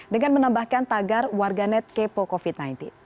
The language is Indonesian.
dengan menambahkan tagar warganet kepo covid sembilan belas